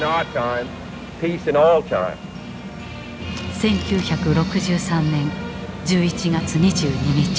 １９６３年１１月２２日。